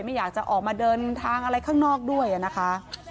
ไม่อยากจะออกมาเดินทางอะไรข้างนอกด้วยนะคะ